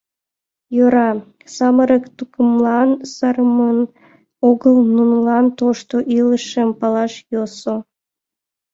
Йӧра, самырык тукымлан сырыман огыл, нунылан тошто илышым палаш йӧсӧ.